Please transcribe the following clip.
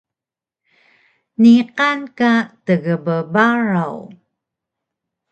Niqan ka tgbbaraw